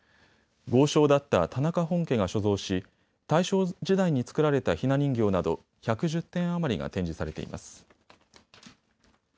豪商だった田中本家が所蔵し大正時代に作られたひな人形など１１０点余りが展示されています。